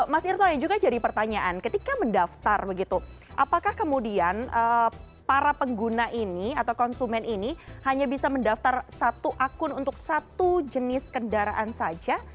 mas irto yang juga jadi pertanyaan ketika mendaftar begitu apakah kemudian para pengguna ini atau konsumen ini hanya bisa mendaftar satu akun untuk satu jenis kendaraan saja